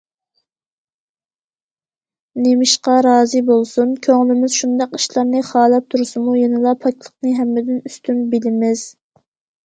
نېمىشقا رازى بولسۇن؟ كۆڭلىمىز شۇنداق ئىشلارنى خالاپ تۇرسىمۇ يەنىلا پاكلىقنى ھەممىدىن ئۈستۈن بىلىمىز.